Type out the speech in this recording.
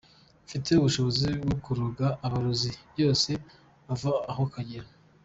Mfite ubushobozi bwo kurogora amarozi yose aho ava akagera.